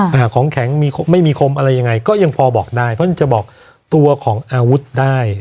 หาของแข็งมีไม่มีคมอะไรยังไงก็ยังพอบอกได้เพราะฉะนั้นจะบอกตัวของอาวุธได้